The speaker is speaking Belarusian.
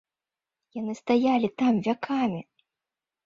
Яны стаялі там вякамі!